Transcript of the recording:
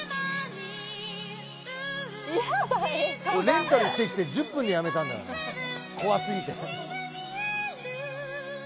レンタルしてきて１０分でやめたんだ怖過ぎて。